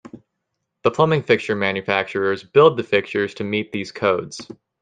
The plumbing fixture manufacturers build the fixtures to meet these codes.